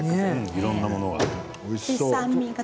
いろいろなものが。